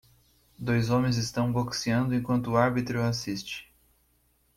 Dois homens estão boxeando enquanto o árbitro assiste.